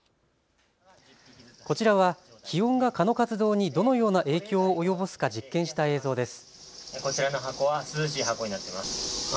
こちらは気温が蚊の活動にどのような影響を及ぼすか実験した映像です。